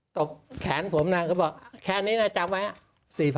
กับแขนผมน่ะก็บอกแค่นี้นะจำไว้